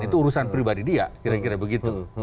itu urusan pribadi dia kira kira begitu